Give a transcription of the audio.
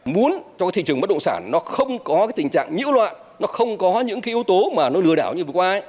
muốn cho thị trường bất động sản nó không có tình trạng nhữ loạn nó không có những yếu tố mà nó lừa đảo như vừa qua